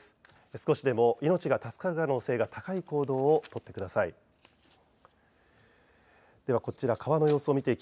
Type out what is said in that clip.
少しでも命が助かる可能性が高い行動をとってください。